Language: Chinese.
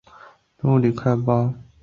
物理快报出版发行。